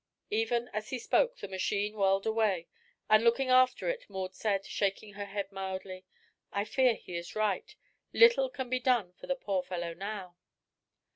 Even as he spoke the machine whirled away, and looking after it Maud said, shaking her head mildly: "I fear he's right. Little can be done for the poor fellow now."